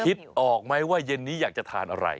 คิดออกไหมว่าเย็นนี้อยากจะทานอะไร